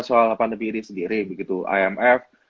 soal pandemi ini sendiri begitu imf